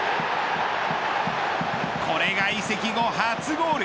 これが移籍後初ゴール。